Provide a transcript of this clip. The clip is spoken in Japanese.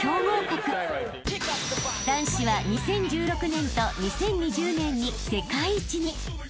［男子は２０１６年と２０２０年に世界一に］